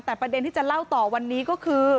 แต่ประเด็นที่จะเล่าต่อวันนี้ก็คือ